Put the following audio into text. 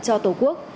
cho tổ quốc